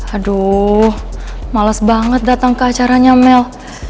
aduh males banget dateng ke acaranya mel